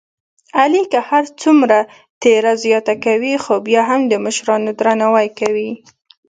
علی که هرڅومره تېره زیاته کوي، خوبیا هم د مشرانو درناوی لري.